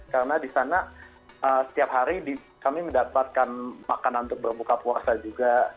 karena di sana setiap hari kami mendapatkan makanan untuk berbuka puasa juga